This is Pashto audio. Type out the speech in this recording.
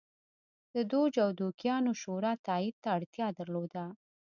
د دوج او دوکیانو شورا تایید ته اړتیا درلوده